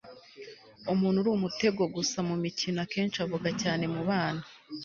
umuntu uri umutego gusa mumikino akenshi avuga cyane mubana